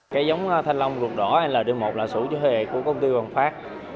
cây giống thanh long ruột đỏ ld một là sủ chứa hệ của công ty hoàng phát